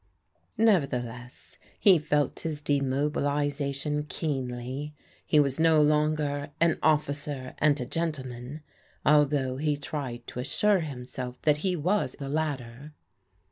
Nevertheless he felt his demobilization keenly. He was ho longer '* an officer and a gentleman," although he tried to assure himself that he was the latter.